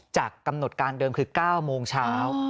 จากกำหนดการเดิมคือ๙โมงเช้า